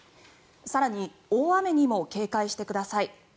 更に、大雨にも警戒してください。